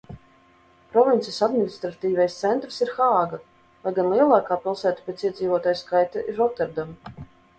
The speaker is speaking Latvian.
Provinces administratīvais centrs ir Hāga, lai gan lielākā pilsēta pēc iedzīvotāju skaita ir Roterdama.